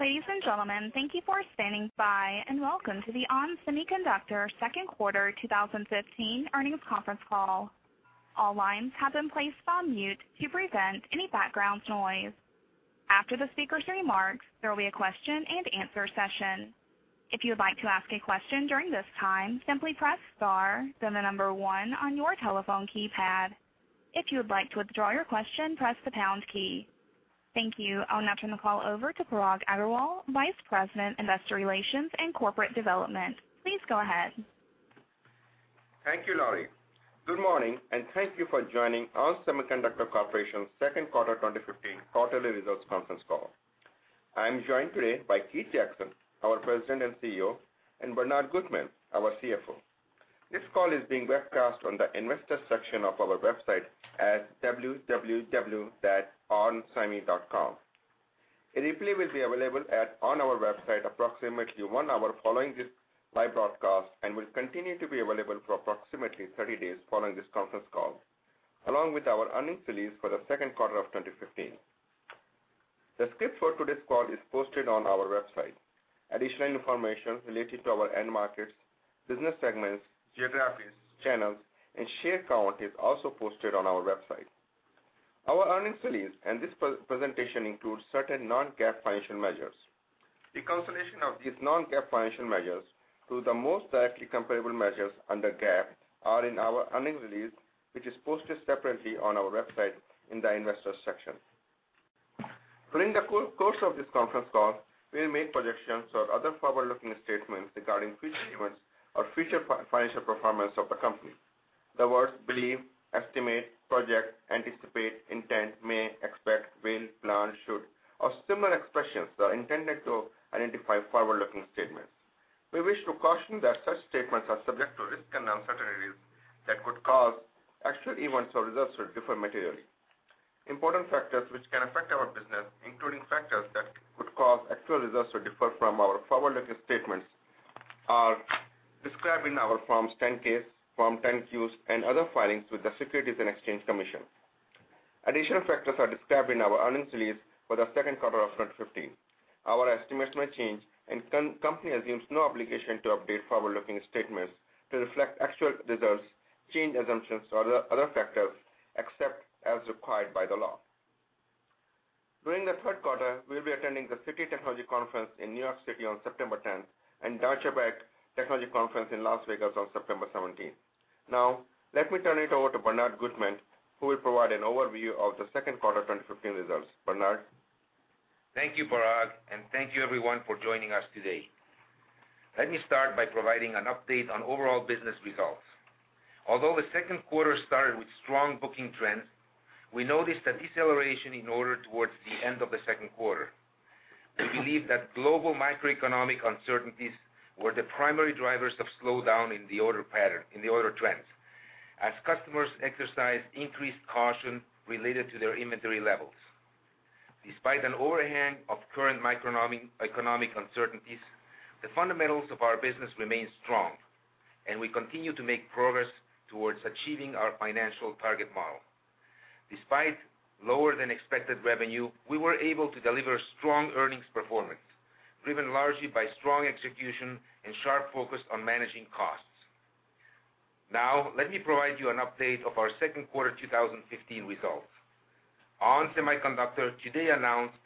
Ladies and gentlemen, thank you for standing by and welcome to the ON Semiconductor second quarter 2015 earnings conference call. All lines have been placed on mute to prevent any background noise. After the speaker's remarks, there will be a question and answer session. If you would like to ask a question during this time, simply press star, then the number 1 on your telephone keypad. If you would like to withdraw your question, press the pound key. Thank you. I'll now turn the call over to Parag Agarwal, Vice President, Investor Relations and Corporate Development. Please go ahead. Thank you, Laurie. Good morning, and thank you for joining ON Semiconductor Corporation second quarter 2015 quarterly results conference call. I'm joined today by Keith Jackson, our President and CEO, and Bernard Gutmann, our CFO. This call is being webcast on the investor section of our website at www.onsemi.com. A replay will be available on our website approximately one hour following this live broadcast and will continue to be available for approximately 30 days following this conference call, along with our earnings release for the second quarter of 2015. The script for today's call is posted on our website. Additional information related to our end markets, business segments, geographies, channels, and share count is also posted on our website. Our earnings release and this presentation includes certain non-GAAP financial measures. The consolidation of these non-GAAP financial measures to the most directly comparable measures under GAAP are in our earnings release, which is posted separately on our website in the investors section. During the course of this conference call, we'll make projections or other forward-looking statements regarding future events or future financial performance of the company. The words believe, estimate, project, anticipate, intent, may, expect, will, plan, should, or similar expressions are intended to identify forward-looking statements. We wish to caution that such statements are subject to risks and uncertainties that could cause actual events or results to differ materially. Important factors which can affect our business, including factors that could cause actual results to differ from our forward-looking statements, are described in our Forms 10-K, Form 10-Qs, and other filings with the Securities and Exchange Commission. Additional factors are described in our earnings release for the second quarter of 2015. Our estimates may change, and company assumes no obligation to update forward-looking statements to reflect actual results, change assumptions or other factors, except as required by the law. During the third quarter, we'll be attending the Citi Technology Conference in New York City on September 10th and Deutsche Bank Technology Conference in Las Vegas on September 17th. Now, let me turn it over to Bernard Gutmann, who will provide an overview of the second quarter 2015 results. Bernard? Thank you, Parag, and thank you everyone for joining us today. Let me start by providing an update on overall business results. Although the second quarter started with strong booking trends, we noticed a deceleration in orders towards the end of the second quarter. We believe that global macroeconomic uncertainties were the primary drivers of slowdown in the order trends as customers exercised increased caution related to their inventory levels. Despite an overhang of current macroeconomic uncertainties, the fundamentals of our business remain strong, and we continue to make progress towards achieving our financial target model. Despite lower than expected revenue, we were able to deliver strong earnings performance, driven largely by strong execution and sharp focus on managing costs. Now, let me provide you an update of our second quarter 2015 results. ON Semiconductor today announced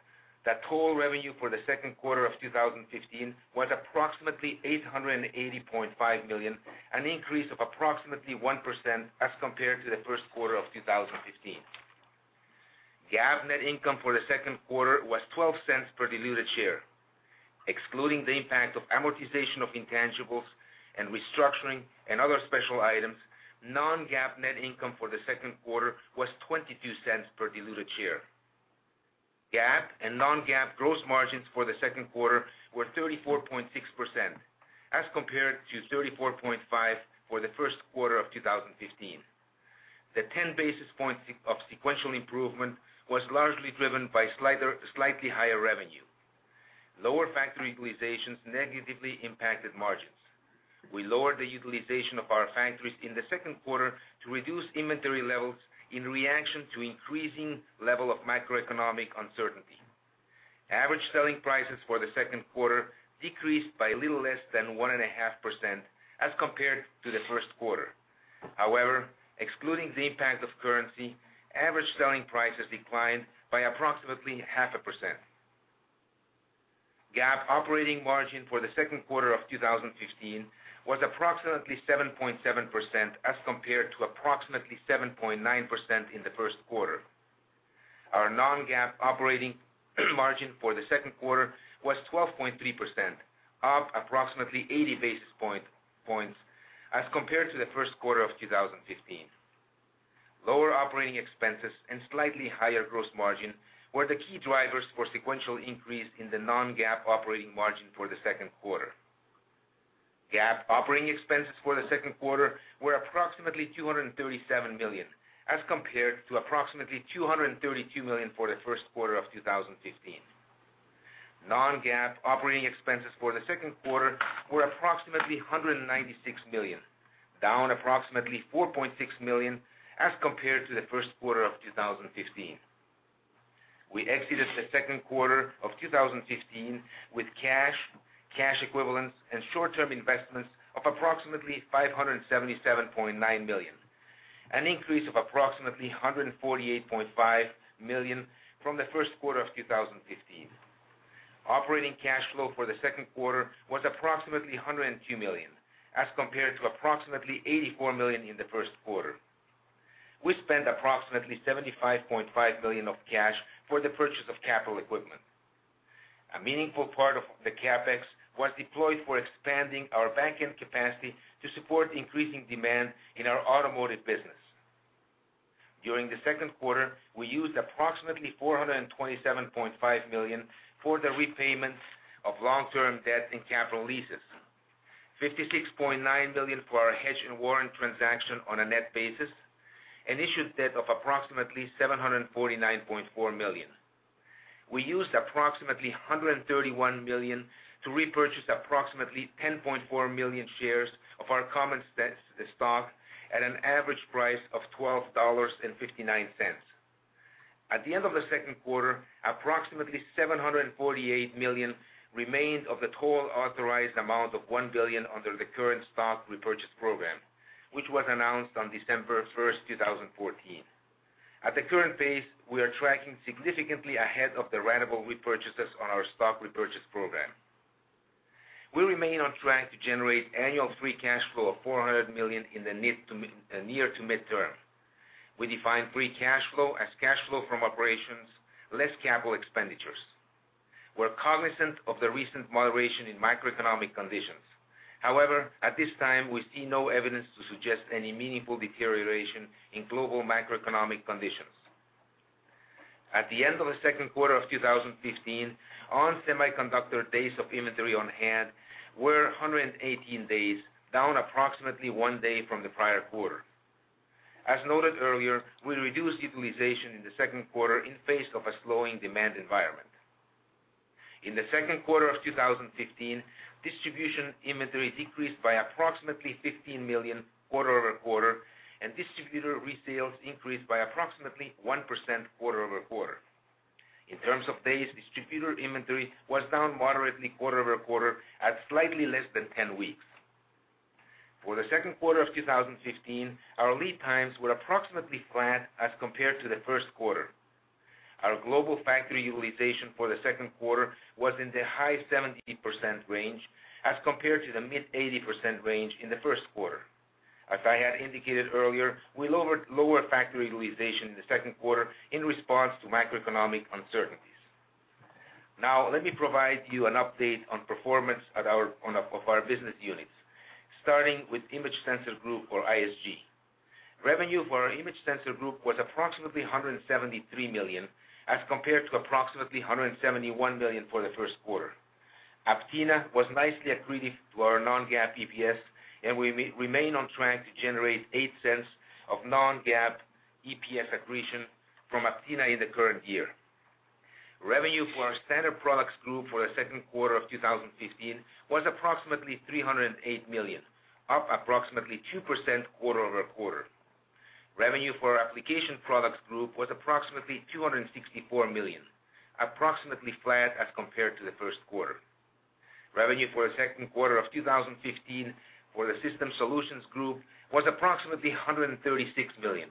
that total revenue for the second quarter of 2015 was approximately $880.5 million, an increase of approximately 1% as compared to the first quarter of 2015. GAAP net income for the second quarter was $0.12 per diluted share. Excluding the impact of amortization of intangibles and restructuring and other special items, non-GAAP net income for the second quarter was $0.22 per diluted share. GAAP and non-GAAP gross margins for the second quarter were 34.6% as compared to 34.5% for the first quarter of 2015. The 10 basis points of sequential improvement was largely driven by slightly higher revenue. Lower factory utilizations negatively impacted margins. We lowered the utilization of our factories in the second quarter to reduce inventory levels in reaction to increasing level of macroeconomic uncertainty. Average selling prices for the second quarter decreased by a little less than 1.5% as compared to the first quarter. Excluding the impact of currency, average selling prices declined by approximately 0.5%. GAAP operating margin for the second quarter of 2015 was approximately 7.7% as compared to approximately 7.9% in the first quarter. Our non-GAAP operating margin for the second quarter was 12.3%, up approximately 80 basis points as compared to the first quarter of 2015. Lower operating expenses and slightly higher gross margin were the key drivers for sequential increase in the non-GAAP operating margin for the second quarter. GAAP operating expenses for the second quarter were approximately $237 million, as compared to approximately $232 million for the first quarter of 2015. Non-GAAP operating expenses for the second quarter were approximately $196 million, down approximately $4.6 million as compared to the first quarter of 2015. We exited the second quarter of 2015 with cash equivalents and short-term investments of approximately $577.9 million, an increase of approximately $148.5 million from the first quarter of 2015. Operating cash flow for the second quarter was approximately $102 million, as compared to approximately $84 million in the first quarter. We spent approximately $75.5 million of cash for the purchase of capital equipment. A meaningful part of the CapEx was deployed for expanding our backend capacity to support increasing demand in our automotive business. During the second quarter, we used approximately $427.5 million for the repayments of long-term debt and capital leases, $56.9 million for our hedge and warrant transaction on a net basis, and issued debt of approximately $749.4 million. We used approximately $131 million to repurchase approximately 10.4 million shares of our common stock at an average price of $12.59. At the end of the second quarter, approximately $748 million remained of the total authorized amount of $1 billion under the current stock repurchase program, which was announced on December 1st, 2014. At the current pace, we are tracking significantly ahead of the ratable repurchases on our stock repurchase program. We remain on track to generate annual free cash flow of $400 million in the near to mid-term. We define free cash flow as cash flow from operations less capital expenditures. We're cognizant of the recent moderation in macroeconomic conditions. However, at this time, we see no evidence to suggest any meaningful deterioration in global macroeconomic conditions. At the end of the second quarter of 2015, ON Semiconductor days of inventory on hand were 118 days, down approximately one day from the prior quarter. As noted earlier, we reduced utilization in the second quarter in face of a slowing demand environment. In the second quarter of 2015, distribution inventory decreased by approximately $15 million quarter-over-quarter, and distributor resales increased by approximately 1% quarter-over-quarter. In terms of days, distributor inventory was down moderately quarter-over-quarter at slightly less than 10 weeks. For the second quarter of 2015, our lead times were approximately flat as compared to the first quarter. Our global factory utilization for the second quarter was in the high 70% range as compared to the mid 80% range in the first quarter. As I had indicated earlier, we lowered factory utilization in the second quarter in response to macroeconomic uncertainties. Now, let me provide you an update on performance of our business units, starting with Image Sensor Group, or ISG. Revenue for our Image Sensor Group was approximately $173 million, as compared to approximately $171 million for the first quarter. Aptina was nicely accretive to our non-GAAP EPS, and we remain on track to generate $0.08 of non-GAAP EPS accretion from Aptina in the current year. Revenue for our Standard Products Group for the second quarter of 2015 was approximately $308 million, up approximately 2% quarter-over-quarter. Revenue for our Application Products Group was approximately $264 million, approximately flat as compared to the first quarter. Revenue for the second quarter of 2015 for the System Solutions Group was approximately $136 million,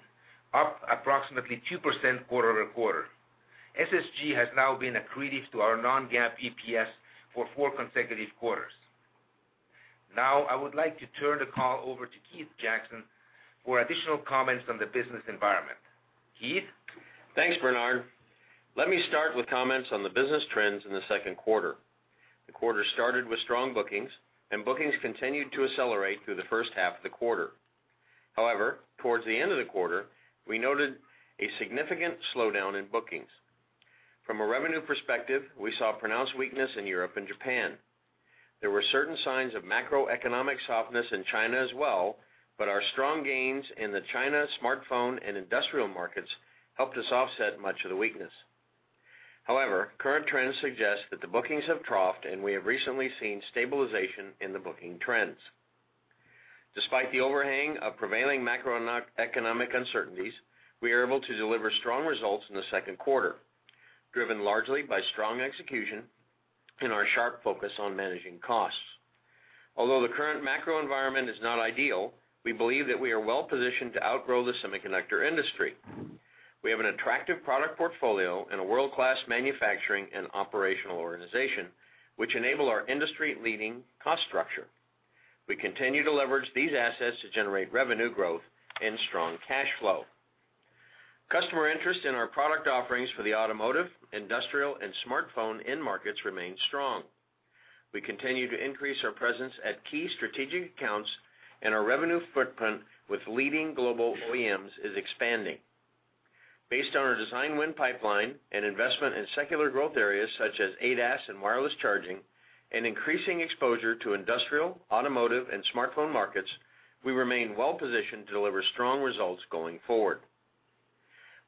up approximately 2% quarter-over-quarter. SSG has now been accretive to our non-GAAP EPS for four consecutive quarters. I would like to turn the call over to Keith Jackson for additional comments on the business environment. Keith? Thanks, Bernard. Let me start with comments on the business trends in the second quarter. The quarter started with strong bookings. Bookings continued to accelerate through the first half of the quarter. Towards the end of the quarter, we noted a significant slowdown in bookings. From a revenue perspective, we saw pronounced weakness in Europe and Japan. There were certain signs of macroeconomic softness in China as well. Our strong gains in the China smartphone and industrial markets helped us offset much of the weakness. Current trends suggest that the bookings have troughed. We have recently seen stabilization in the booking trends. Despite the overhang of prevailing macroeconomic uncertainties, we are able to deliver strong results in the second quarter, driven largely by strong execution and our sharp focus on managing costs. Although the current macro environment is not ideal, we believe that we are well-positioned to outgrow the semiconductor industry. We have an attractive product portfolio and a world-class manufacturing and operational organization, which enable our industry-leading cost structure. We continue to leverage these assets to generate revenue growth and strong cash flow. Customer interest in our product offerings for the automotive, industrial, and smartphone end markets remain strong. We continue to increase our presence at key strategic accounts, and our revenue footprint with leading global OEMs is expanding. Based on our design win pipeline and investment in secular growth areas such as ADAS and wireless charging, and increasing exposure to industrial, automotive, and smartphone markets, we remain well-positioned to deliver strong results going forward.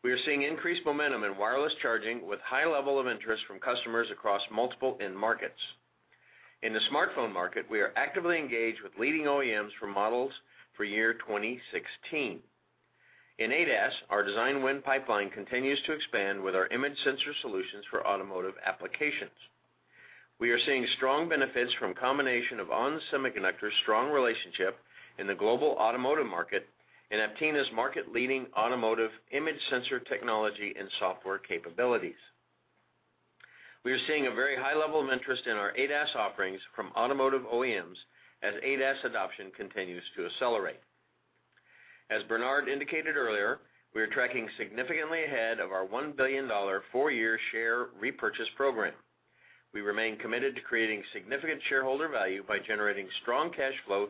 We are seeing increased momentum in wireless charging with high level of interest from customers across multiple end markets. In the smartphone market, we are actively engaged with leading OEMs for models for year 2016. In ADAS, our design win pipeline continues to expand with our image sensor solutions for automotive applications. We are seeing strong benefits from combination of ON Semiconductor's strong relationship in the global automotive market and Aptina's market-leading automotive image sensor technology and software capabilities. We are seeing a very high level of interest in our ADAS offerings from automotive OEMs as ADAS adoption continues to accelerate. As Bernard indicated earlier, we are tracking significantly ahead of our $1 billion four-year share repurchase program. We remain committed to creating significant shareholder value by generating strong cash flow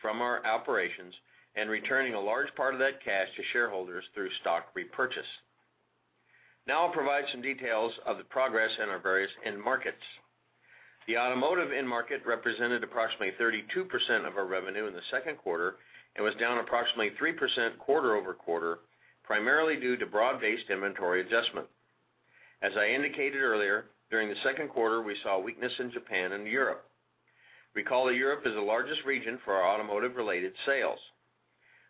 from our operations and returning a large part of that cash to shareholders through stock repurchase. Now I'll provide some details of the progress in our various end markets. The automotive end market represented approximately 32% of our revenue in the second quarter and was down approximately 3% quarter-over-quarter, primarily due to broad-based inventory adjustment. As I indicated earlier, during the second quarter, we saw weakness in Japan and Europe. Recall that Europe is the largest region for our automotive-related sales.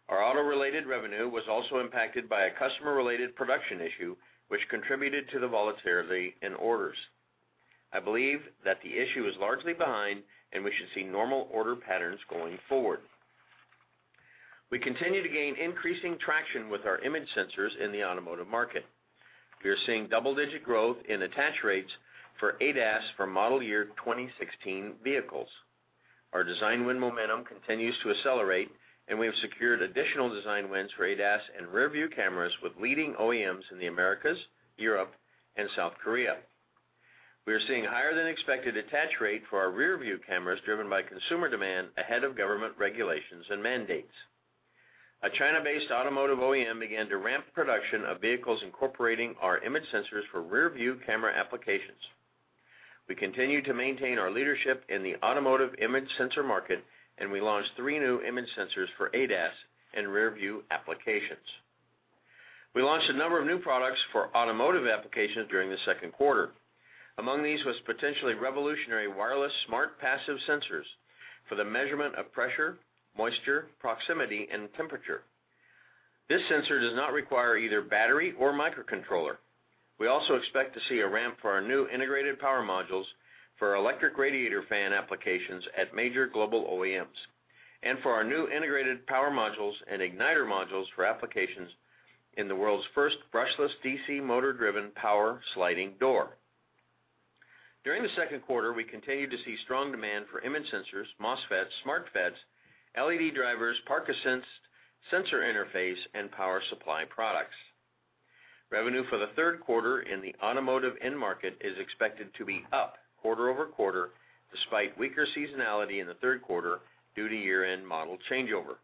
Our auto-related revenue was also impacted by a customer-related production issue, which contributed to the volatility in orders. I believe that the issue is largely behind, and we should see normal order patterns going forward. We continue to gain increasing traction with our image sensors in the automotive market. We are seeing double-digit growth in attach rates for ADAS for model year 2016 vehicles. Our design win momentum continues to accelerate, and we have secured additional design wins for ADAS and rearview cameras with leading OEMs in the Americas, Europe, and South Korea. We are seeing higher than expected attach rate for our rearview cameras driven by consumer demand ahead of government regulations and mandates. A China-based automotive OEM began to ramp production of vehicles incorporating our image sensors for rearview camera applications. We continue to maintain our leadership in the automotive image sensor market, and we launched three new image sensors for ADAS and rearview applications. We launched a number of new products for automotive applications during the second quarter. Among these was potentially revolutionary wireless smart passive sensors for the measurement of pressure, moisture, proximity, and temperature. This sensor does not require either battery or microcontroller. We also expect to see a ramp for our new integrated power modules for our electric radiator fan applications at major global OEMs, and for our new integrated power modules and igniter modules for applications in the world's first brushless DC motor-driven power sliding door. During the second quarter, we continued to see strong demand for image sensors, MOSFETs, SmartFETs, LED drivers, PARK-sensor interface, and power supply products. Revenue for the third quarter in the automotive end market is expected to be up quarter-over-quarter, despite weaker seasonality in the third quarter due to year-end model changeover.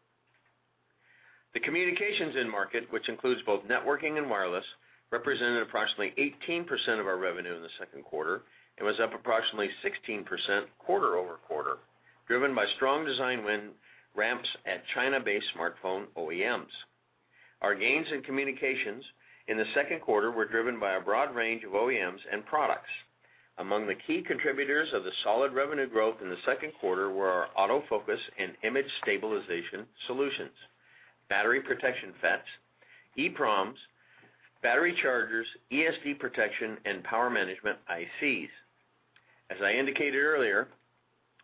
The communications end market, which includes both networking and wireless, represented approximately 18% of our revenue in the second quarter and was up approximately 16% quarter-over-quarter, driven by strong design win ramps at China-based smartphone OEMs. Our gains in communications in the second quarter were driven by a broad range of OEMs and products. Among the key contributors of the solid revenue growth in the second quarter were our autofocus and image stabilization solutions, battery protection FETs, EEPROMs, battery chargers, ESD protection, and power management ICs. As I indicated earlier,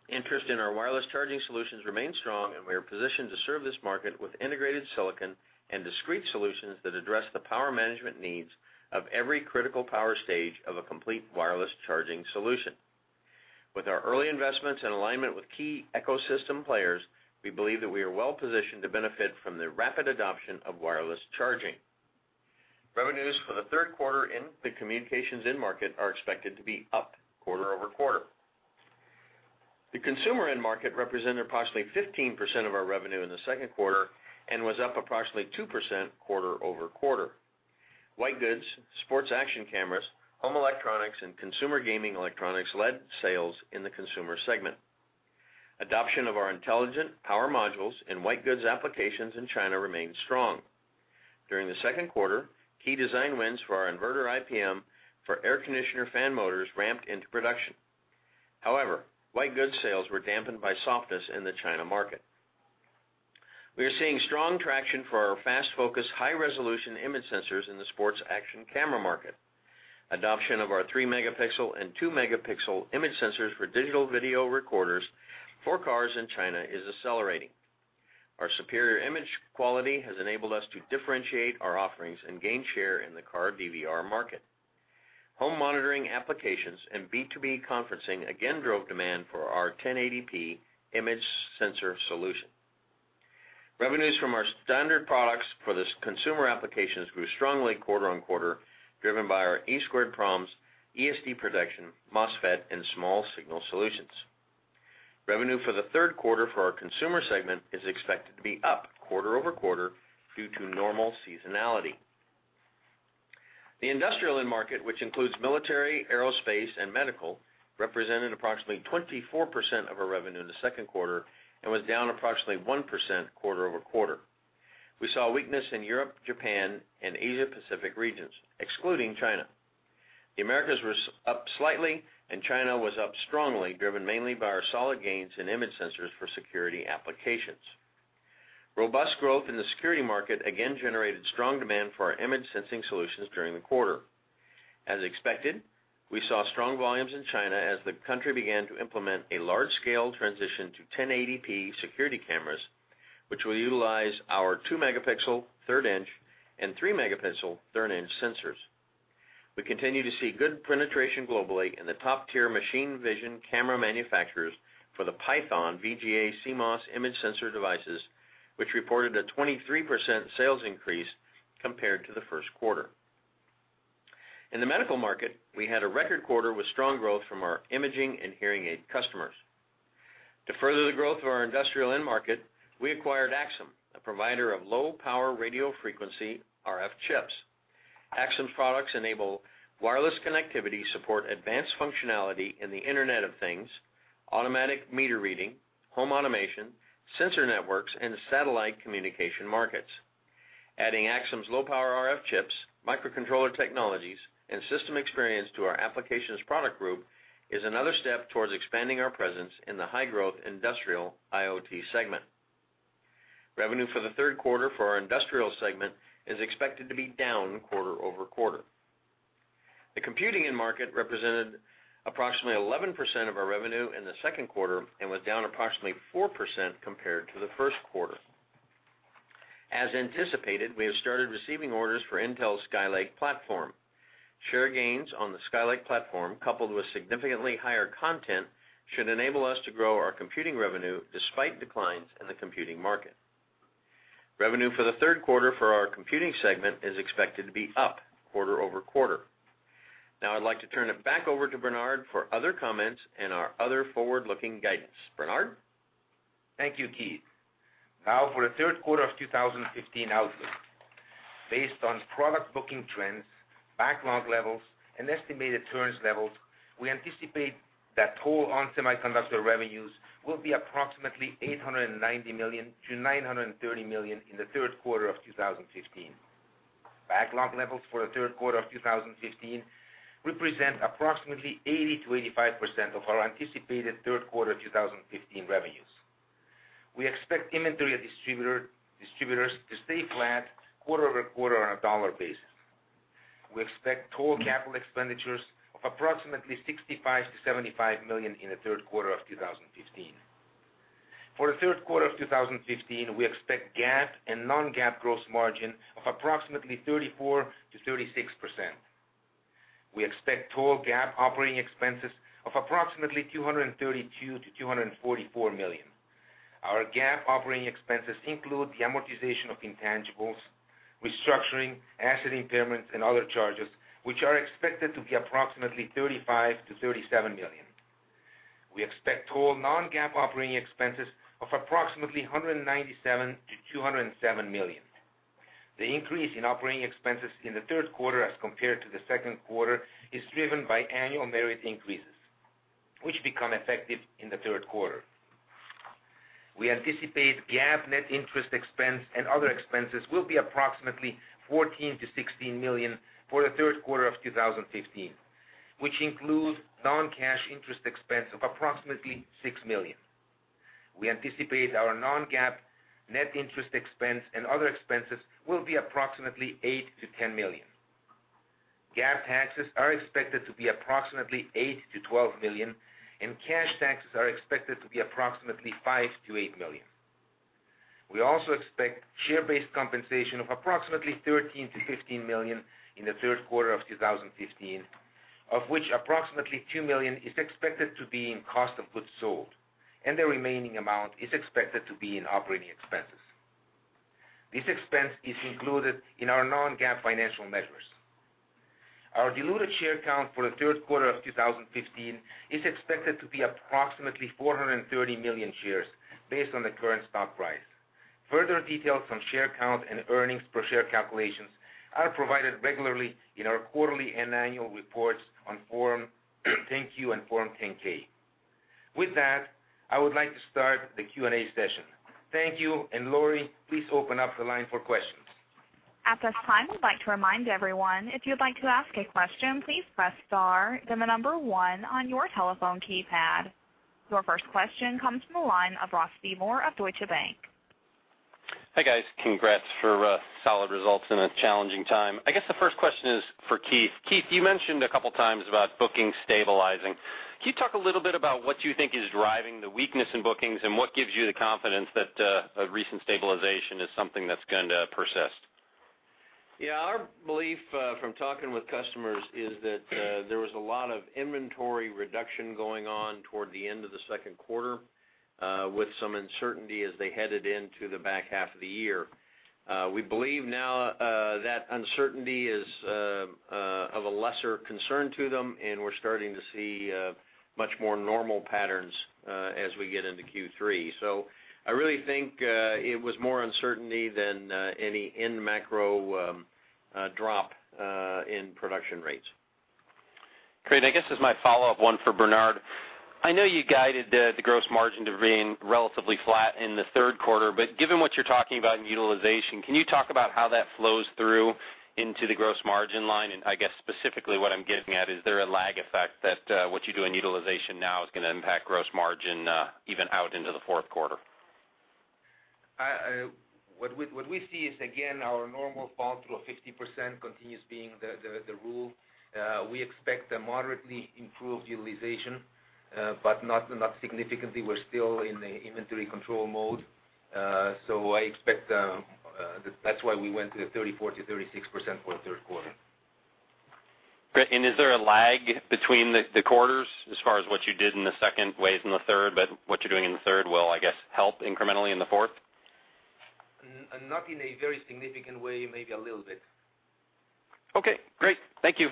interest in our wireless charging solutions remains strong. We are positioned to serve this market with integrated silicon and discrete solutions that address the power management needs of every critical power stage of a complete wireless charging solution. With our early investments and alignment with key ecosystem players, we believe that we are well positioned to benefit from the rapid adoption of wireless charging. Revenues for the third quarter in the communications end market are expected to be up quarter-over-quarter. The consumer end market represented approximately 15% of our revenue in the second quarter and was up approximately 2% quarter-over-quarter. White goods, sports action cameras, home electronics, and consumer gaming electronics led sales in the consumer segment. Adoption of our intelligent power modules in white goods applications in China remained strong. During the second quarter, key design wins for our inverter IPM for air conditioner fan motors ramped into production. However, white good sales were dampened by softness in the China market. We are seeing strong traction for our fast focus, high-resolution image sensors in the sports action camera market. Adoption of our 3-megapixel and 2-megapixel image sensors for digital video recorders for cars in China is accelerating. Our superior image quality has enabled us to differentiate our offerings and gain share in the car DVR market. Home monitoring applications and B2B conferencing again drove demand for our 1080p image sensor solution. Revenues from our standard products for this consumer applications grew strongly quarter-on-quarter, driven by our EEPROMs, ESD protection, MOSFET, and small signal solutions. Revenue for the third quarter for our Consumer segment is expected to be up quarter-over-quarter due to normal seasonality. The industrial end market, which includes military, aerospace, and medical, represented approximately 24% of our revenue in the second quarter and was down approximately 1% quarter-over-quarter. We saw weakness in Europe, Japan, and Asia Pacific regions, excluding China. The Americas was up slightly, and China was up strongly, driven mainly by our solid gains in image sensors for security applications. Robust growth in the security market again generated strong demand for our image sensing solutions during the quarter. As expected, we saw strong volumes in China as the country began to implement a large-scale transition to 1080p security cameras, which will utilize our 2-megapixel third inch and 3-megapixel third inch sensors. We continue to see good penetration globally in the top-tier machine vision camera manufacturers for the PYTHON VGA CMOS image sensor devices, which reported a 23% sales increase compared to the first quarter. In the medical market, we had a record quarter with strong growth from our imaging and hearing aid customers. To further the growth of our industrial end market, we acquired Axsem, a provider of low-power radio frequency RF chips. Axsem products enable wireless connectivity support advanced functionality in the Internet of Things, automatic meter reading, home automation, sensor networks, and satellite communication markets. Adding Axsem's low-power RF chips, microcontroller technologies, and system experience to our Application Products Group is another step towards expanding our presence in the high-growth industrial IoT segment. Revenue for the third quarter for our Industrial segment is expected to be down quarter-over-quarter. The computing end market represented approximately 11% of our revenue in the second quarter and was down approximately 4% compared to the first quarter. As anticipated, we have started receiving orders for Intel's Skylake platform. Share gains on the Skylake platform, coupled with significantly higher content, should enable us to grow our computing revenue despite declines in the computing market. Revenue for the third quarter for our Computing segment is expected to be up quarter-over-quarter. Now I'd like to turn it back over to Bernard for other comments and our other forward-looking guidance. Bernard? Thank you, Keith. Now for the third quarter of 2015 outlook. Based on product booking trends, backlog levels, and estimated turns levels, we anticipate that total ON Semiconductor revenues will be approximately $890 million-$930 million in the third quarter of 2015. Backlog levels for the third quarter of 2015 represent approximately 80%-85% of our anticipated third quarter 2015 revenues. We expect inventory at distributors to stay flat quarter-over-quarter on a dollar basis. We expect total CapEx of approximately $65 million-$75 million in the third quarter of 2015. For the third quarter of 2015, we expect GAAP and non-GAAP gross margin of approximately 34%-36%. We expect total GAAP operating expenses of approximately $232 million-$244 million. Our GAAP operating expenses include the amortization of intangibles, restructuring, asset impairments, and other charges, which are expected to be approximately $35 million-$37 million. We expect total non-GAAP operating expenses of approximately $197 million-$207 million. The increase in operating expenses in the third quarter as compared to the second quarter is driven by annual merit increases, which become effective in the third quarter. We anticipate GAAP net interest expense and other expenses will be approximately $14 million-$16 million for the third quarter of 2015, which includes non-cash interest expense of approximately $6 million. We anticipate our non-GAAP net interest expense and other expenses will be approximately $8 million-$10 million. GAAP taxes are expected to be approximately $8 million-$12 million, and cash taxes are expected to be approximately $5 million-$8 million. We also expect share-based compensation of approximately $13 million-$15 million in the third quarter of 2015, of which approximately $2 million is expected to be in cost of goods sold, and the remaining amount is expected to be in operating expenses. This expense is included in our non-GAAP financial measures. Our diluted share count for the third quarter of 2015 is expected to be approximately 430 million shares based on the current stock price. Further details on share count and earnings per share calculations are provided regularly in our quarterly and annual reports on Form 10-Q and Form 10-K. With that, I would like to start the Q&A session. Thank you, Lori, please open up the line for questions. At this time, we'd like to remind everyone, if you'd like to ask a question, please press star, then the number one on your telephone keypad. Your first question comes from the line of Ross Seymore of Deutsche Bank. Hi, guys. Congrats for solid results in a challenging time. I guess the first question is for Keith. Keith, you mentioned a couple of times about bookings stabilizing. Can you talk a little bit about what you think is driving the weakness in bookings and what gives you the confidence that a recent stabilization is something that's going to persist? Yeah, our belief from talking with customers is that there was a lot of inventory reduction going on toward the end of the second quarter with some uncertainty as they headed into the back half of the year. We believe now that uncertainty is of a lesser concern to them, and we're starting to see much more normal patterns as we get into Q3. I really think it was more uncertainty than any end macro drop in production rates. Great. I guess as my follow-up, one for Bernard. I know you guided the gross margin to remain relatively flat in the third quarter, given what you're talking about in utilization, can you talk about how that flows through into the gross margin line? I guess specifically what I'm getting at, is there a lag effect that what you do in utilization now is going to impact gross margin even out into the fourth quarter? What we see is, again, our normal bump through of 50% continues being the rule. We expect a moderately improved utilization, but not significantly. We're still in the inventory control mode. I expect that's why we went to the 34%-36% for the third quarter. Great, is there a lag between the quarters as far as what you did in the second weighs in the third, but what you're doing in the third will, I guess, help incrementally in the fourth? Not in a very significant way, maybe a little bit. Okay, great. Thank you.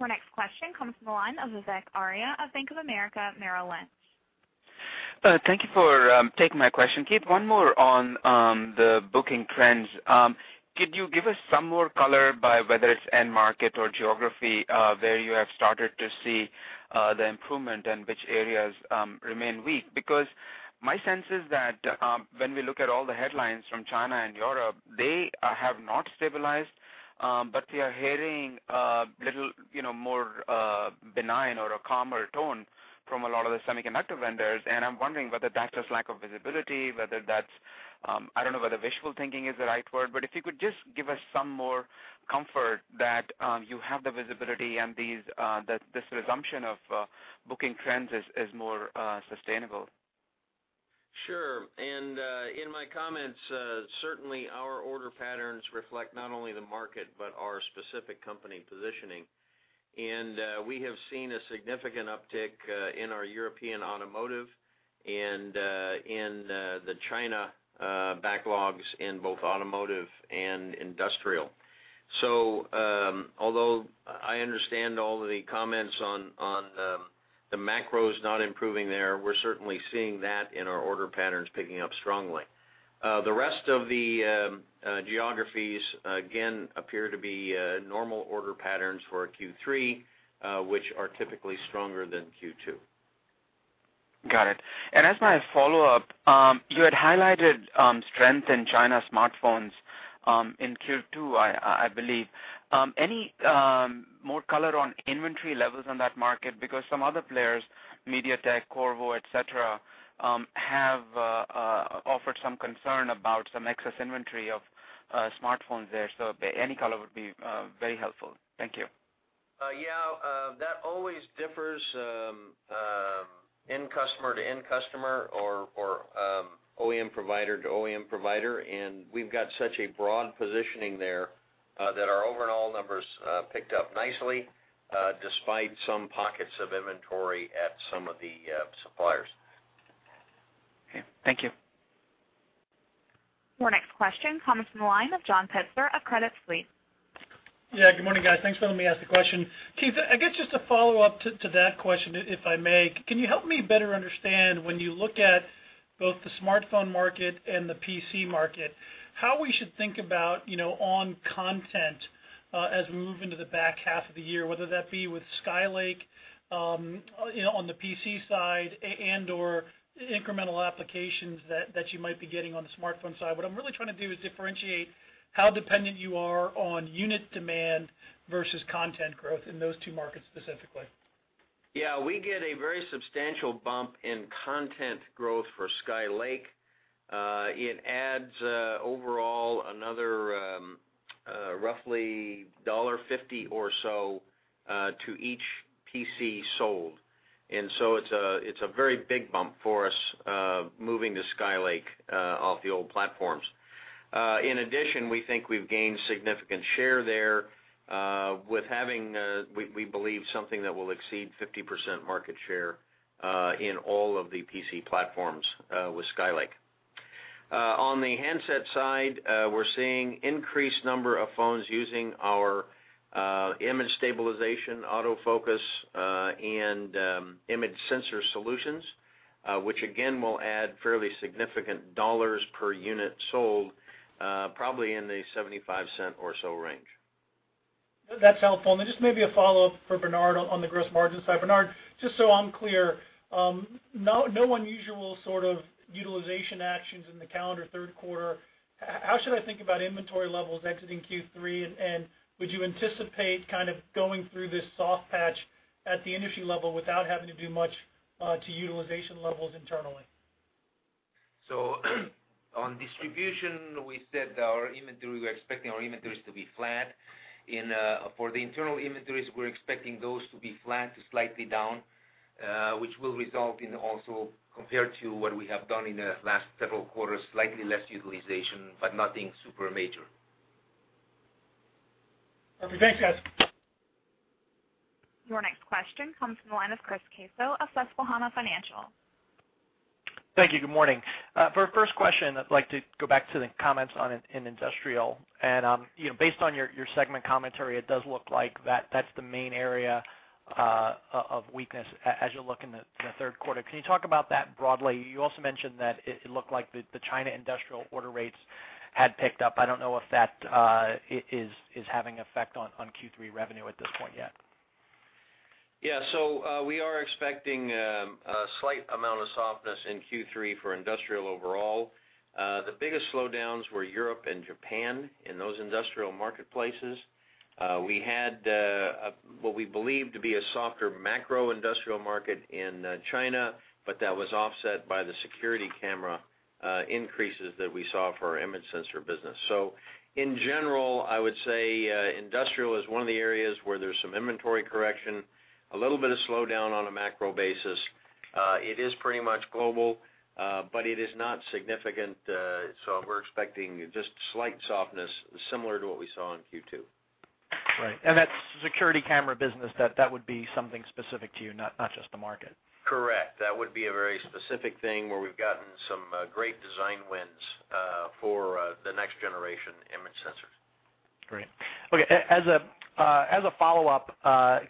Our next question comes from the line of Vivek Arya of Bank of America Merrill Lynch. Thank you for taking my question. Keith, one more on the booking trends. Could you give us some more color by whether it's end market or geography, where you have started to see the improvement and which areas remain weak? My sense is that when we look at all the headlines from China and Europe, they have not stabilized, but we are hearing a little more benign or a calmer tone from a lot of the semiconductor vendors. I'm wondering whether that's just lack of visibility, I don't know whether visual thinking is the right word, but if you could just give us some more comfort that you have the visibility and that this resumption of booking trends is more sustainable. Sure. In my comments, certainly our order patterns reflect not only the market but our specific company positioning. We have seen a significant uptick in our European automotive and in the China backlogs in both automotive and industrial. Although I understand all of the comments on the macros not improving there, we're certainly seeing that in our order patterns picking up strongly. The rest of the geographies, again, appear to be normal order patterns for Q3, which are typically stronger than Q2. Got it. As my follow-up, you had highlighted strength in China smartphones in Q2, I believe. Any more color on inventory levels on that market? Because some other players, MediaTek, Qorvo, et cetera, have offered some concern about some excess inventory of smartphones there. Any color would be very helpful. Thank you. Yeah. That always differs end customer to end customer or OEM provider to OEM provider, we've got such a broad positioning there that our overall numbers picked up nicely, despite some pockets of inventory at some of the suppliers. Okay. Thank you. Our next question comes from the line of John Pitzer of Credit Suisse. Yeah, good morning, guys. Thanks for letting me ask the question. Keith, I guess just a follow-up to that question, if I may. Can you help me better understand when you look at both the smartphone market and the PC market, how we should think about ON content as we move into the back half of the year, whether that be with Skylake on the PC side and/or incremental applications that you might be getting on the smartphone side? What I'm really trying to do is differentiate how dependent you are on unit demand versus content growth in those two markets specifically. Yeah, we get a very substantial bump in content growth for Skylake. It adds overall another roughly $1.50 or so to each PC sold. It's a very big bump for us moving to Skylake off the old platforms. In addition, we think we've gained significant share there with having, we believe, something that will exceed 50% market share in all of the PC platforms with Skylake. On the handset side, we're seeing increased number of phones using our image stabilization, auto focus, and image sensor solutions, which again will add fairly significant dollars per unit sold, probably in the $0.75 or so range. That's helpful. Then just maybe a follow-up for Bernard on the gross margin side. Bernard, just so I'm clear, no unusual sort of utilization actions in the calendar third quarter. How should I think about inventory levels exiting Q3, and would you anticipate kind of going through this soft patch at the industry level without having to do much to utilization levels internally? On distribution, we said we're expecting our inventories to be flat. For the internal inventories, we're expecting those to be flat to slightly down, which will result in also compared to what we have done in the last several quarters, slightly less utilization, but nothing super major. Perfect. Thanks, guys. Your next question comes from the line of Chris Caso of Susquehanna Financial. Thank you. Good morning. For our first question, I'd like to go back to the comments on industrial. Based on your segment commentary, it does look like that's the main area of weakness as you look in the third quarter. Can you talk about that broadly? You also mentioned that it looked like the China industrial order rates had picked up. I don't know if that is having effect on Q3 revenue at this point yet. We are expecting a slight amount of softness in Q3 for industrial overall. The biggest slowdowns were Europe and Japan in those industrial marketplaces. We had what we believe to be a softer macro industrial market in China, that was offset by the security camera increases that we saw for our image sensor business. In general, I would say industrial is one of the areas where there's some inventory correction, a little bit of slowdown on a macro basis. It is pretty much global, but it is not significant, we're expecting just slight softness similar to what we saw in Q2. Right. That security camera business, that would be something specific to you, not just the market. Correct. That would be a very specific thing where we've gotten some great design wins for the next generation image sensors. Great. Okay. As a follow-up,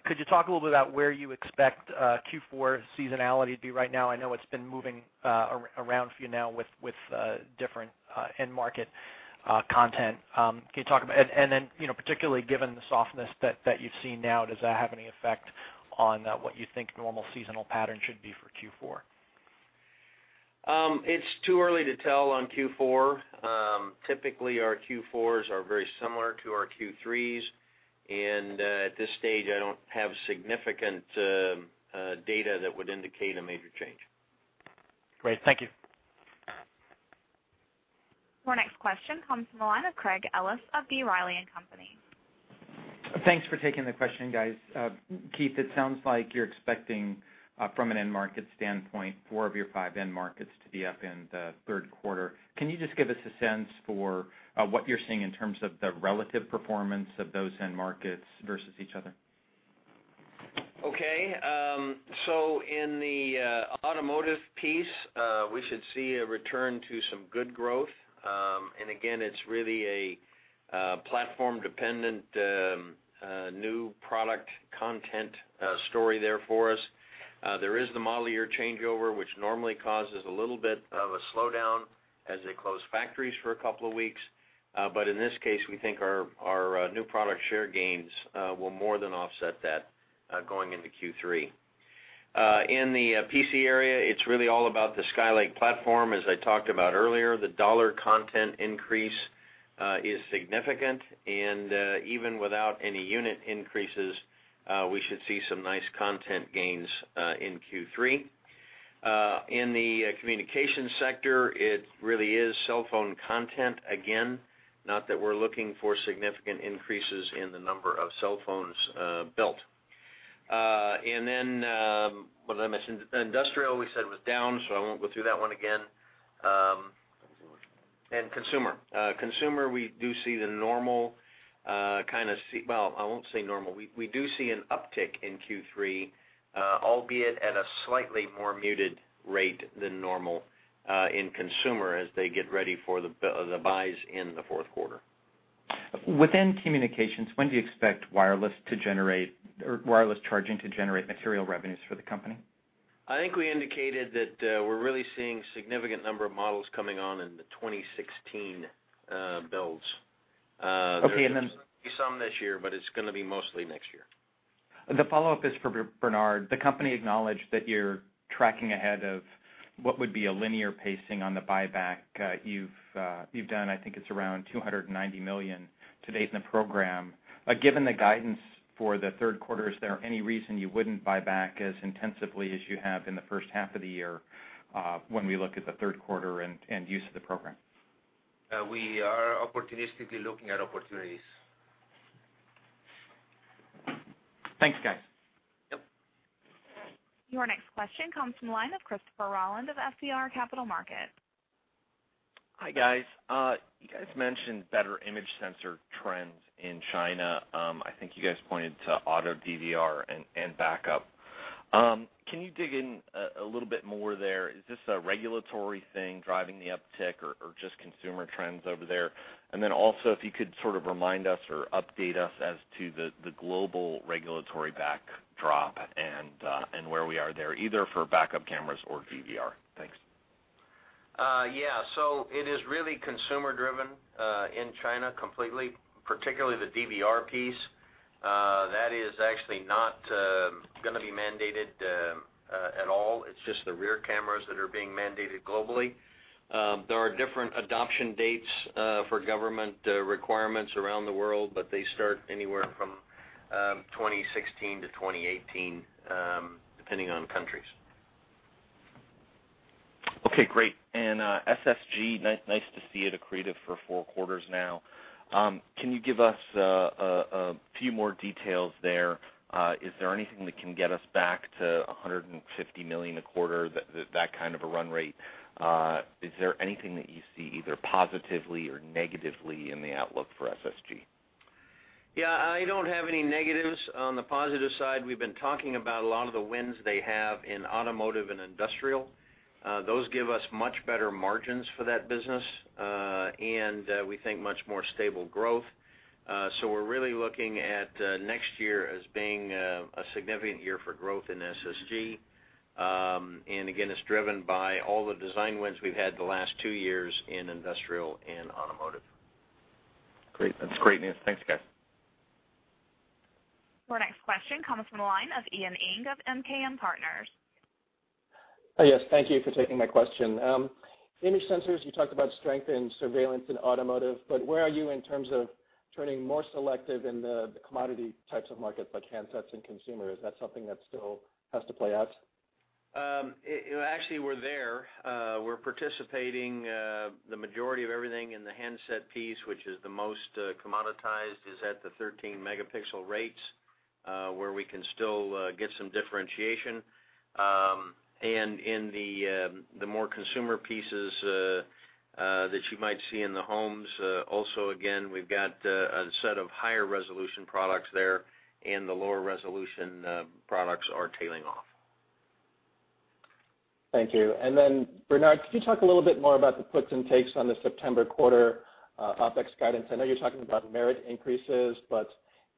could you talk a little bit about where you expect Q4 seasonality to be right now? I know it's been moving around for you now with different end market content. Particularly given the softness that you've seen now, does that have any effect on what you think normal seasonal pattern should be for Q4? It's too early to tell on Q4. Typically, our Q4s are very similar to our Q3s, and at this stage, I don't have significant data that would indicate a major change. Great. Thank you. Our next question comes from the line of Craig Ellis of B. Riley & Company. Thanks for taking the question, guys. Keith, it sounds like you're expecting, from an end market standpoint, four of your five end markets to be up in the third quarter. Can you just give us a sense for what you're seeing in terms of the relative performance of those end markets versus each other? Okay. In the automotive piece, we should see a return to some good growth. Again, it's really a platform-dependent, new product content story there for us. There is the model year changeover, which normally causes a little bit of a slowdown as they close factories for a couple of weeks. In this case, we think our new product share gains will more than offset that going into Q3. In the PC area, it's really all about the Skylake platform. As I talked about earlier, the dollar content increase is significant, and even without any unit increases, we should see some nice content gains in Q3. In the communication sector, it really is cellphone content again, not that we're looking for significant increases in the number of cellphones built. What did I mention? Industrial we said was down. I won't go through that one again. Consumer. Consumer, we do see the normal kind of Well, I won't say normal. We do see an uptick in Q3, albeit at a slightly more muted rate than normal in consumer as they get ready for the buys in the fourth quarter. Within communications, when do you expect wireless charging to generate material revenues for the company? I think we indicated that we're really seeing significant number of models coming on in the 2016 builds. Okay. There's going to be some this year, but it's going to be mostly next year. The follow-up is for Bernard. The company acknowledged that you're tracking ahead of what would be a linear pacing on the buyback. You've done, I think it's around $290 million to date in the program. Given the guidance for the third quarter, is there any reason you wouldn't buy back as intensively as you have in the first half of the year when we look at the third quarter and use of the program? We are opportunistically looking at opportunities. Thanks, guys. Yep. Your next question comes from the line of Christopher Rolland of FBR Capital Markets. Hi, guys. You guys mentioned better image sensor trends in China. I think you guys pointed to auto DVR and backup. Can you dig in a little bit more there? Is this a regulatory thing driving the uptick or just consumer trends over there? Also, if you could sort of remind us or update us as to the global regulatory backdrop and where we are there, either for backup cameras or DVR. Thanks. Yeah. It is really consumer driven in China completely, particularly the DVR piece. That is actually not going to be mandated at all. It's just the rear cameras that are being mandated globally. There are different adoption dates for government requirements around the world, but they start anywhere from 2016-2018, depending on countries. Okay, great. SSG, nice to see it accretive for four quarters now. Can you give us a few more details there? Is there anything that can get us back to $150 million a quarter, that kind of a run rate? Is there anything that you see either positively or negatively in the outlook for SSG? Yeah, I don't have any negatives. On the positive side, we've been talking about a lot of the wins they have in automotive and industrial. Those give us much better margins for that business, and we think much more stable growth. We're really looking at next year as being a significant year for growth in SSG. Again, it's driven by all the design wins we've had the last two years in industrial and automotive. Great. That's great news. Thanks, guys. Your next question comes from the line of Ian Ing of MKM Partners. Yes, thank you for taking my question. Image sensors, you talked about strength in surveillance in automotive, but where are you in terms of turning more selective in the commodity types of markets like handsets and consumer? Is that something that still has to play out? Actually, we're there. We're participating, the majority of everything in the handset piece, which is the most commoditized, is at the 13-megapixel rates, where we can still get some differentiation. In the more consumer pieces that you might see in the homes, also again, we've got a set of higher-resolution products there, and the lower-resolution products are tailing off. Thank you. Then, Bernard, could you talk a little bit more about the puts and takes on the September quarter OpEx guidance? I know you're talking about merit increases, but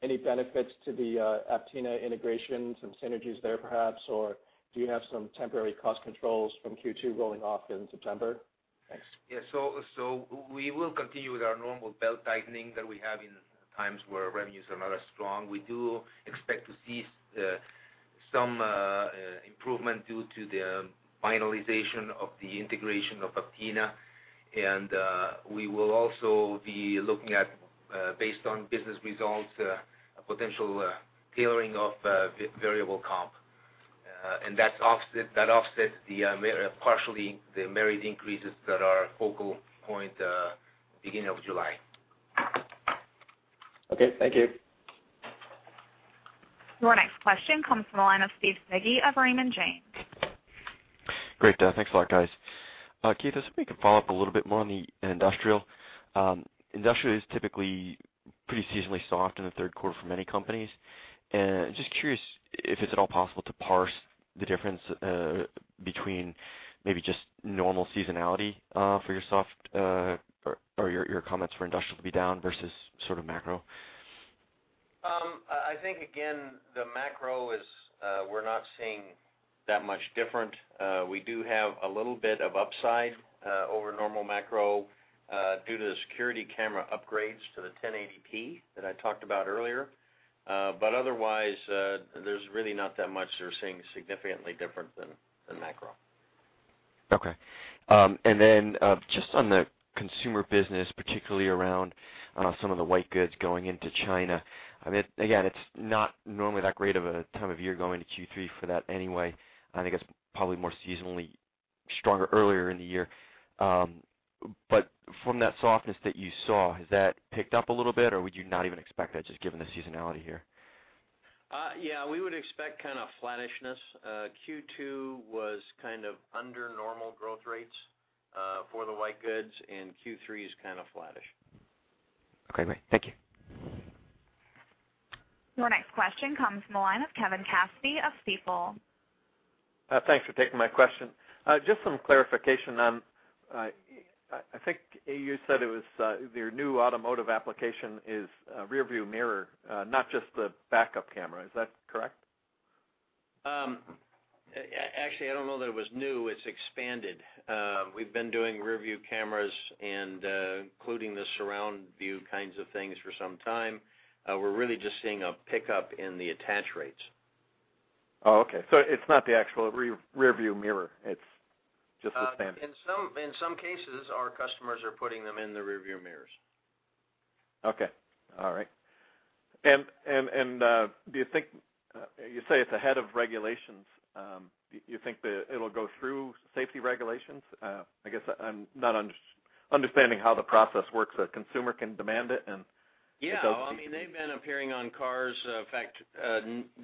any benefits to the Aptina integration, some synergies there, perhaps? Or do you have some temporary cost controls from Q2 rolling off in September? Thanks. Yes. We will continue with our normal belt-tightening that we have in times where revenues are not as strong. We do expect to see some improvement due to the finalization of the integration of Aptina. We will also be looking at, based on business results, a potential tailoring of variable comp. That offsets partially the merit increases that are focal point beginning of July. Okay, thank you. Your next question comes from the line of Steve Smigie of Raymond James. Great. Thanks a lot, guys. Keith, I was hoping to follow up a little bit more on the industrial. Industrial is typically pretty seasonally soft in the third quarter for many companies. Just curious if it's at all possible to parse the difference between maybe just normal seasonality for your soft or your comments for industrial to be down versus sort of macro. I think, again, the macro is we're not seeing that much different. We do have a little bit of upside over normal macro due to the security camera upgrades to the 1080p that I talked about earlier. Otherwise, there's really not that much that we're seeing significantly different than macro. Okay. Then, just on the consumer business, particularly around some of the white goods going into China, again, it's not normally that great of a time of year going to Q3 for that anyway. I think it's probably more seasonally stronger earlier in the year. From that softness that you saw, has that picked up a little bit, or would you not even expect that just given the seasonality here? Yeah, we would expect kind of flatishness. Q2 was kind of under normal growth rates for the white goods, and Q3 is kind of flatish. Okay, great. Thank you. Your next question comes from the line of Kevin Cassidy of Stifel. Thanks for taking my question. Just some clarification on, I think you said it was your new automotive application is a rearview mirror, not just the backup camera. Is that correct? Actually, I don't know that it was new. It's expanded. We've been doing rearview cameras and including the surround view kinds of things for some time. We're really just seeing a pickup in the attach rates. Oh, okay. It's not the actual rearview mirror. It's just expanded. In some cases, our customers are putting them in the rearview mirrors. Okay. All right. You say it's ahead of regulations. Do you think that it'll go through safety regulations? I guess I'm not understanding how the process works. A consumer can demand it. I mean, they've been appearing on cars. In fact,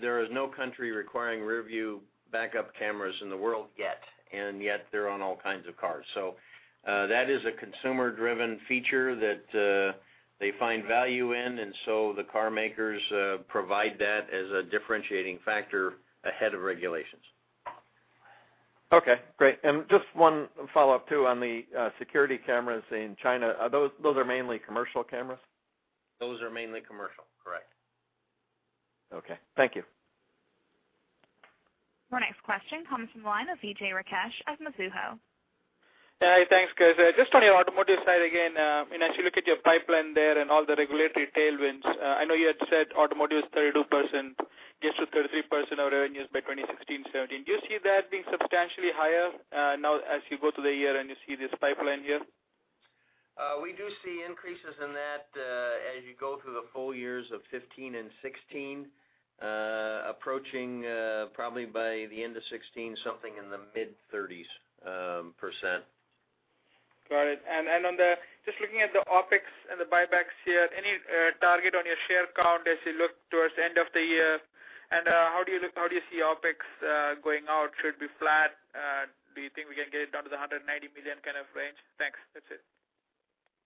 there is no country requiring rearview backup cameras in the world yet they're on all kinds of cars. That is a consumer-driven feature that they find value in, so the car makers provide that as a differentiating factor ahead of regulations. Okay, great. Just one follow-up, too, on the security cameras in China. Those are mainly commercial cameras? Those are mainly commercial, correct. Okay. Thank you. Our next question comes from the line of Vijay Rakesh of Mizuho. Hi, thanks, guys. Just on your automotive side again, as you look at your pipeline there and all the regulatory tailwinds, I know you had said automotive is 32% gets to 33% of revenues by 2016, 2017. Do you see that being substantially higher now as you go through the year and you see this pipeline here? We do see increases in that as you go through the full years of 2015 and 2016, approaching probably by the end of 2016, something in the mid-30s%. Got it. On the, just looking at the OpEx and the buybacks here, any target on your share count as you look towards the end of the year? How do you see OpEx going out? Should it be flat? Do you think we can get it down to the $190 million kind of range? That's it.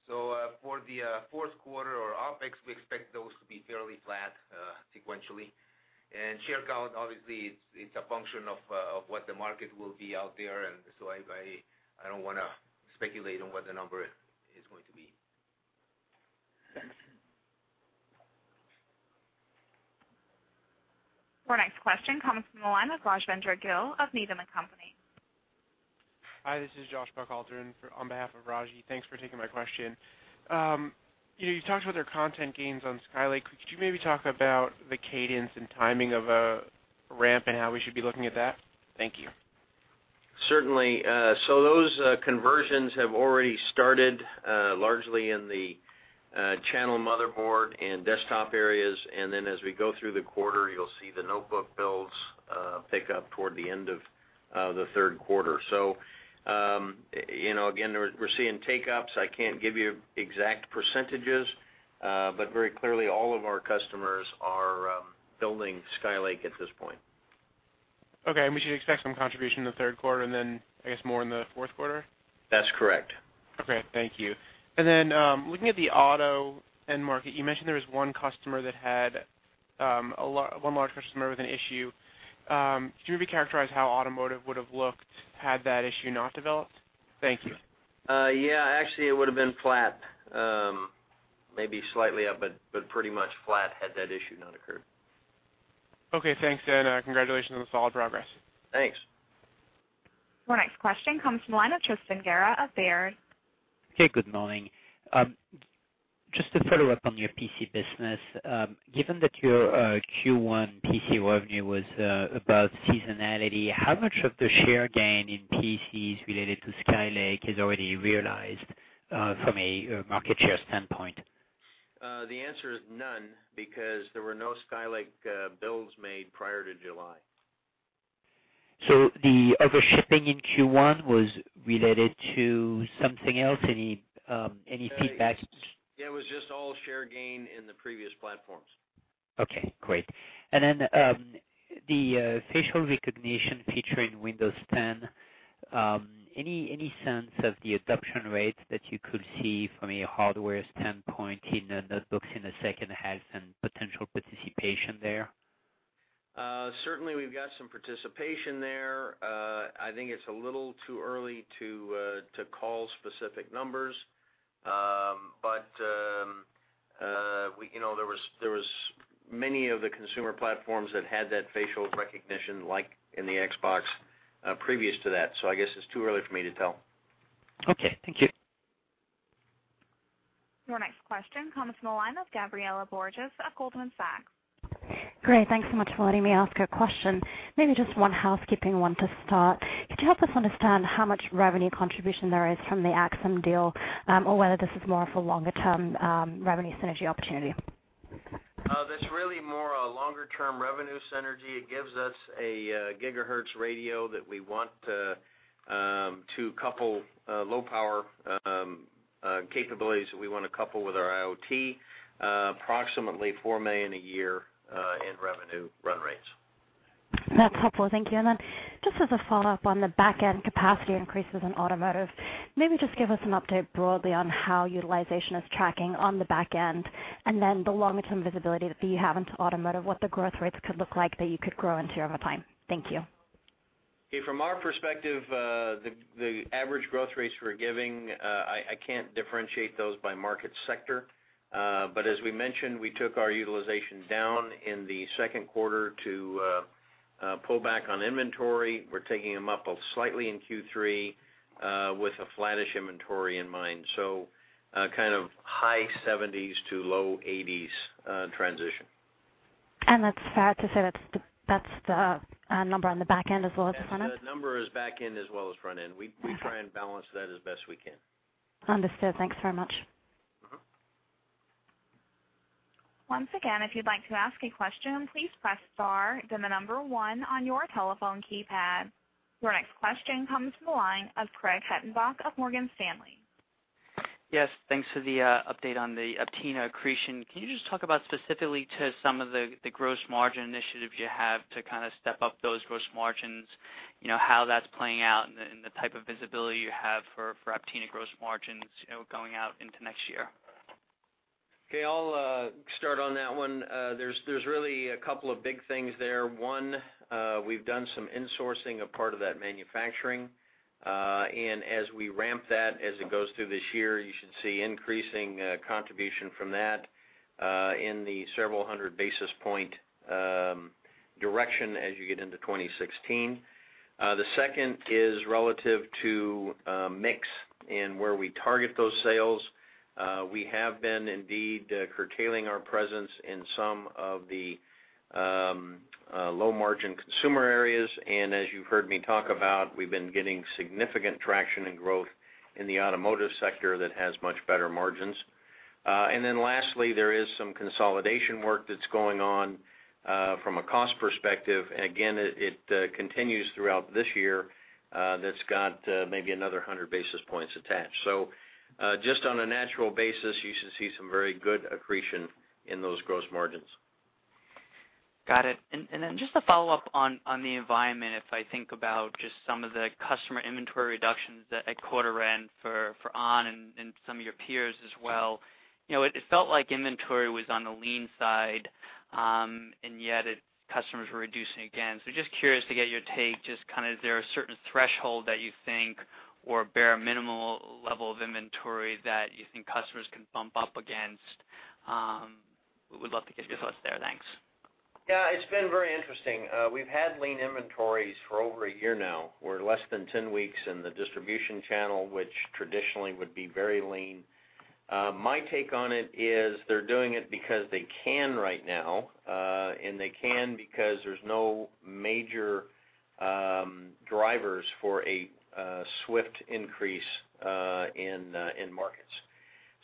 For the fourth quarter or OpEx, we expect those to be fairly flat sequentially. Share count, obviously, it's a function of what the market will be out there, and so I don't want to speculate on what the number is going to be. Thanks. Your next question comes from the line of Rajvindra Gill of Needham & Company. Hi, this is Joshua Buchalter on behalf of Raji. Thanks for taking my question. You talked about their content gains on Skylake. Could you maybe talk about the cadence and timing of a ramp and how we should be looking at that? Thank you. Certainly. Those conversions have already started largely in the channel motherboard and desktop areas. As we go through the quarter, you'll see the notebook builds pick up toward the end of the third quarter. Again, we're seeing take-ups. I can't give you exact percentages, but very clearly all of our customers are building Skylake at this point. Okay. We should expect some contribution in the third quarter and then I guess more in the fourth quarter? That's correct. Okay. Thank you. Looking at the auto end market, you mentioned there was one large customer with an issue. Could you maybe characterize how automotive would've looked had that issue not developed? Thank you. Yeah, actually it would've been flat, maybe slightly up, but pretty much flat had that issue not occurred. Okay, thanks. Congratulations on the solid progress. Thanks. Your next question comes from the line of Tristan Gerra of Baird. Okay, good morning. Just to follow up on your PC business. Given that your Q1 PC revenue was above seasonality, how much of the share gain in PCs related to Skylake is already realized from a market share standpoint? The answer is none, because there were no Skylake builds made prior to July. The over shipping in Q1 was related to something else? Any feedback? It was just all share gain in the previous platforms. Okay, great. The facial recognition feature in Windows 10, any sense of the adoption rate that you could see from a hardware standpoint in the notebooks in the second half and potential participation there? Certainly, we've got some participation there. I think it's a little too early to call specific numbers. There was many of the consumer platforms that had that facial recognition, like in the Xbox, previous to that. I guess it's too early for me to tell. Okay. Thank you. Your next question comes from the line of Gabriela Borges of Goldman Sachs. Great. Thanks so much for letting me ask a question. Maybe just one housekeeping one to start. Could you help us understand how much revenue contribution there is from the AXSEM deal or whether this is more of a longer-term revenue synergy opportunity? That's really more a longer-term revenue synergy. It gives us a gigahertz radio that we want to couple low power capabilities, that we want to couple with our IoT. Approximately $4 million a year in revenue run rates. That's helpful. Thank you. Just as a follow-up on the back-end capacity increases in automotive, maybe just give us an update broadly on how utilization is tracking on the back end, and then the longer-term visibility that you have into automotive, what the growth rates could look like that you could grow into over time. Thank you. From our perspective, the average growth rates we're giving, I cannot differentiate those by market sector. As we mentioned, we took our utilization down in the second quarter to pull back on inventory. We're taking them up slightly in Q3 with a flattish inventory in mind. Kind of high 70s to low 80s transition. That's fair to say that's the number on the back end as well as the front end? That number is back end as well as front end. We try and balance that as best we can. Understood. Thanks very much. Once again, if you'd like to ask a question, please press star then the number 1 on your telephone keypad. Your next question comes from the line of Craig Hettenbach of Morgan Stanley. Yes, thanks for the update on the Aptina accretion. Can you just talk about specifically to some of the gross margin initiatives you have to kind of step up those gross margins, how that's playing out and the type of visibility you have for Aptina gross margins going out into next year? Okay. I'll start on that one. There's really a couple of big things there. One, we've done some insourcing of part of that manufacturing. As we ramp that, as it goes through this year, you should see increasing contribution from that in the several hundred basis point direction as you get into 2016. The second is relative to mix and where we target those sales. We have been indeed curtailing our presence in some of the low margin consumer areas, as you've heard me talk about, we've been getting significant traction and growth in the automotive sector that has much better margins. Lastly, there is some consolidation work that's going on from a cost perspective. Again, it continues throughout this year that's got maybe another 100 basis points attached. Just on a natural basis, you should see some very good accretion in those gross margins. Got it. Just to follow up on the environment, if I think about just some of the customer inventory reductions at quarter end for ON and some of your peers as well. It felt like inventory was on the lean side, and yet customers were reducing again. Just curious to get your take, is there a certain threshold that you think or bare minimum level of inventory that you think customers can bump up against? Would love to get your thoughts there. Thanks. Yeah, it's been very interesting. We've had lean inventories for over a year now. We're less than 10 weeks in the distribution channel, which traditionally would be very lean. My take on it is they're doing it because they can right now, they can because there's no major drivers for a swift increase in markets.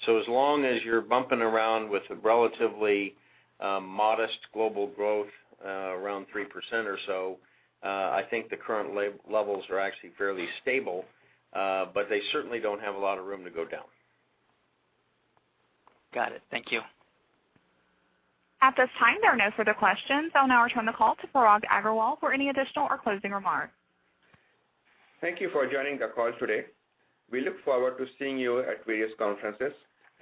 As long as you're bumping around with a relatively modest global growth around 3% or so, I think the current levels are actually fairly stable, but they certainly don't have a lot of room to go down. Got it. Thank you. At this time, there are no further questions. I'll now return the call to Parag Agarwal for any additional or closing remarks. Thank you for joining the call today. We look forward to seeing you at various conferences.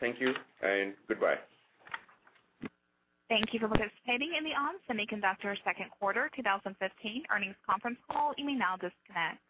Thank you and goodbye. Thank you for participating in the ON Semiconductor Second Quarter 2015 earnings conference call. You may now disconnect.